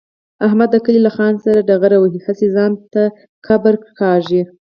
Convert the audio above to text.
احمد د کلي له خان سره ډغره وهي، هسې ځان ته قبر کني.